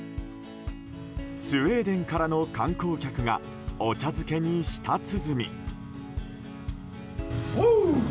スウェーデンからの観光客がお茶漬けに舌鼓。